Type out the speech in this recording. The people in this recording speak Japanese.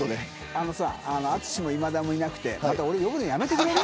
あのさ、淳も今田もいなくて俺呼ぶのやめてくれる。